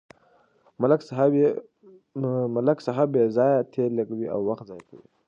ملک صاحب بې ځایه تېل لګوي او وخت ضایع کوي.